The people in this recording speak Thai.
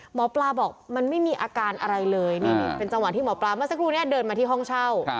หมอปลาบอกมันไม่มีอาการอะไรเลยนี่เป็นจังหวะที่หมอปลาเมื่อสักครู่นี้เดินมาที่ห้องเช่า